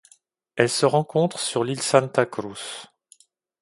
Elle se rencontre sur l'île Santa Cruz.